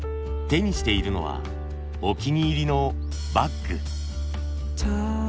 手にしているのはお気に入りのバッグ。